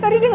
ini dia ya